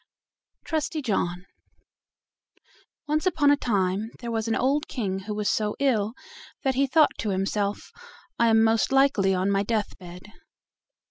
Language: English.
TRUSTY JOHN Once upon a time there was an old king who was so ill that he thought to himself, "I am most likely on my death bed."